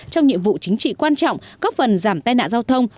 trong nhiệm vụ chính trị quan trọng góp phần giảm tai nạn giao thông